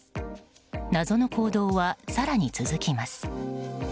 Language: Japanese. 謎の行動は更に続きます。